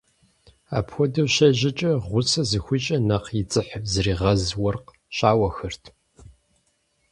Апхуэдэу щежьэкӀэ гъусэ зыхуищӀыр нэхъ и дзыхь зригъэз уэркъ щауэхэрат.